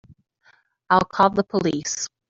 I'll call the police.